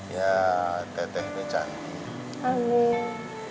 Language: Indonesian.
ya teteh dia cantik